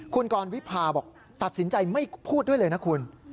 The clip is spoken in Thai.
คุณกรวิพาบอกตัดสินใจไม่พูดด้วยเลยนะคุณ